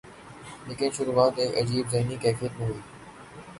لیکن شروعات ایک عجیب ذہنی کیفیت میں ہوئی۔